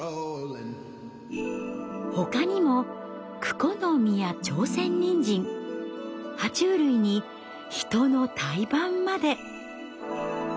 他にもクコの実や朝鮮人参は虫類にヒトの胎盤まで。